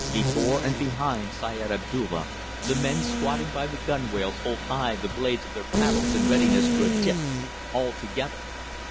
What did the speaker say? Before and behind Syed Abdulla, the men squatting by the gunwales hold high the blades of their paddles in readiness for a dip, all together.